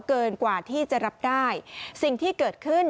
เกินกว่าที่จะรับได้สิ่งที่เกิดขึ้น